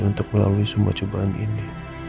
untuk melalui semua cobaan ini